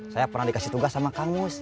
saya pernah dikasih tugas sama kang mus